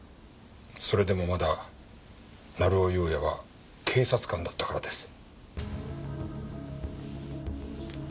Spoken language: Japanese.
それでもまだ成尾優也は警察官だったからです。